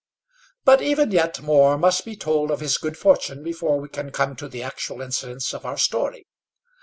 But even yet more must be told of his good fortune before we can come to the actual incidents of our story.